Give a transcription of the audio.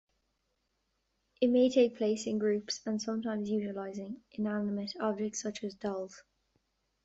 It may take place in groups, and sometimes utilizing inanimate objects such as dolls.